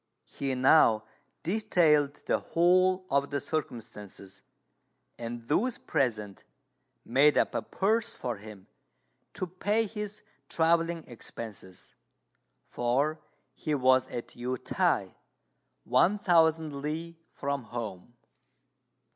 He now detailed the whole of the circumstances, and those present made up a purse for him to pay his travelling expenses; for he was at Yü t'ai one thousand li from home.